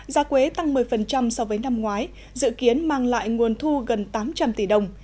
giá quế tăng một mươi so với năm ngoái dự kiến mang lại nguồn thu gần tám trăm linh tỷ đồng